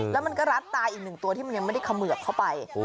แล้วมันก็รัดตาอีกหนึ่งตัวที่มันยังไม่ได้เขมือบเข้าไป